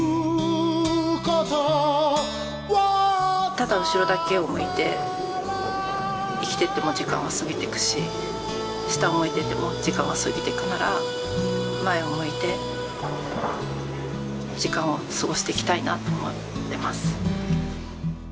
ただ後ろだけを向いて生きてっても時間は過ぎてくし下を向いてても時間は過ぎてくなら前を向いて時間を過ごしていきたいなと思ってます。